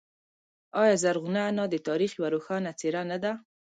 آیا زرغونه انا د تاریخ یوه روښانه څیره نه ده؟